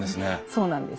そうなんです。